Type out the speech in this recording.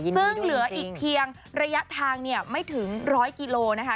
ซึ่งเหลืออีกเพียงระยะทางไม่ถึง๑๐๐กิโลนะคะ